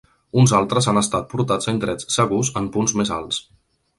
Uns altres han estat portats a indrets segurs en punts més alts.